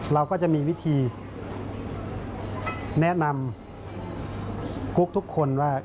เราก็จะมีวิธีแนะนำกุ๊กทุกคนว่า